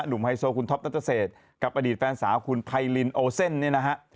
ไฮโซคุณท็อปนัตเศษกับอดีตแฟนสาวคุณไพรินโอเซ่นเนี่ยนะฮะ